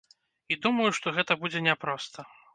І думаю, што гэта будзе няпроста.